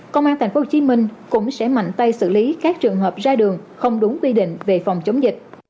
công an tp hcm cũng sẽ mạnh tay xử lý các trường hợp ra đường không đúng quy định về phòng chống dịch